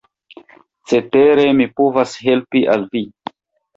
Cetere mi povas helpi al vi.